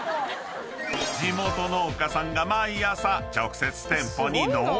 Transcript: ［地元農家さんが毎朝直接店舗に納品］